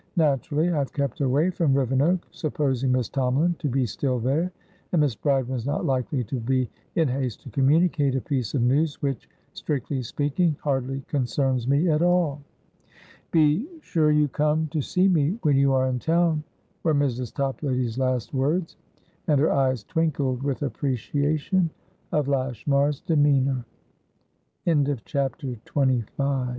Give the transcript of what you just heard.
"Naturally I have kept away from Rivenoak, supposing Miss Tomalin to be still there; and Miss Bride was not likely to be in haste to communicate a piece of news which, strictly speaking, hardly concerns me at all." "Be sure you come to see me when you are in town," were Mrs. Toplady's last words. And her eyes twinkled with appreciation of Lashmar's demeanour. CHAPTER XXVI Dyce walked about the room. Without knowing it, he